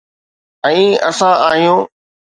۽ اسان آهيون.